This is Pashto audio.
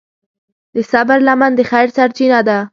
د صبر لمن د خیر سرچینه ده.